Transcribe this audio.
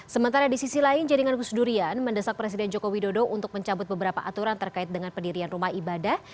sementara di sisi lain jaringan gusdurian mendesak presiden joko widodo untuk mencabut beberapa aturan terkait dengan pendirian rumah ibadah